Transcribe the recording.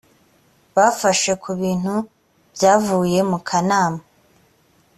bafashe ku bintu byavuye mu kanama